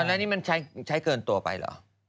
แล้วนี่มันใช้เกินตัวไปเหรอ